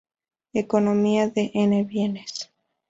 Economía de n bienes.